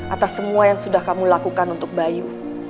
atas semua yang sudah kamu lakukan untuk bayu